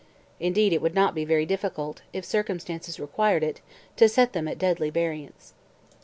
Indeed it would not be very difficult, if circumstances required it, to set them at deadly variance.'